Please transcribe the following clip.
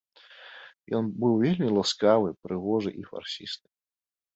Ён быў вельмі ласкавы, прыгожы і фарсісты.